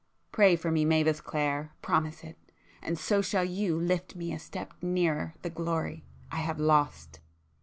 Pray for me, Mavis Clare! promise it!—and so shall you lift me a step nearer the glory I have lost!"